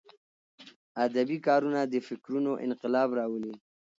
ادبي کارونه د فکرونو انقلاب راولي.